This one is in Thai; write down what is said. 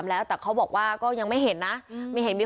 มันก็วิ่งเดินหนีออกไป